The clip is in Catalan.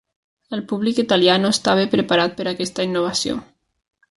El públic italià no estava preparat per aquesta innovació.